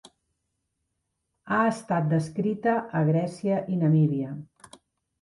Ha estat descrita a Grècia i Namíbia.